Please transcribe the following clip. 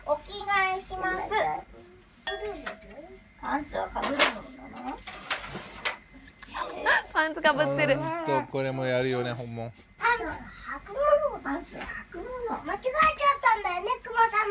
ほんとこれもやるよね。